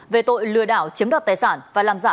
về tội lừa đảo chiếm đoạt tài sản và làm giả